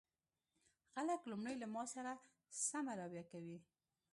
خلک لومړی له ما سره سمه رويه کوي